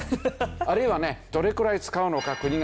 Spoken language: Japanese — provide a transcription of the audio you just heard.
あるいはねどれくらい使うのか国が目標を出せ。